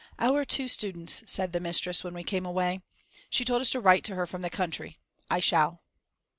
"Our two students" said the mistress when we came away. She told us to write to her from the country. I shall.